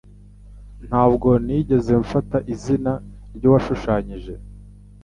Ntabwo nigeze mfata izina ryuwashushanyije.